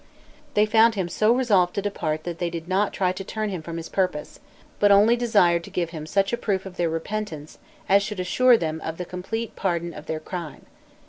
They found him so resolved to depart that they did not try to turn him from his purpose, but only desired to give him such a proof of their repentance as should assure them of the complete pardon of their crime.